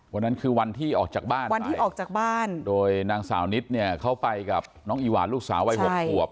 วันนั้นคือวันที่ออกจากบ้านวันที่ออกจากบ้านโดยนางสาวนิดเนี่ยเขาไปกับน้องอีหวานลูกสาววัย๖ขวบ